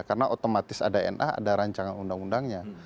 karena otomatis ada na ada rancangan undang undangnya